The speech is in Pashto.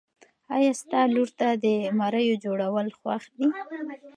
ایا ستا لور ته د مریو جوړول خوښ دي؟